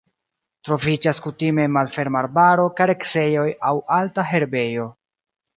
Troviĝas kutime en malferma arbaro, kareksejoj aŭ alta herbejo.